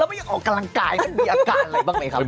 มันยังออกกำลังกายมันมีอาการอะไรบ้างไหมครับ